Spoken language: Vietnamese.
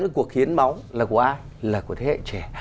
cái cuộc hiến máu là của ai là của thế hệ trẻ